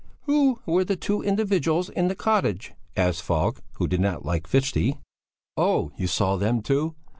"Who were the two individuals in the cottage?" asked Falk, who did not like Fichte. "Oh. You saw them too?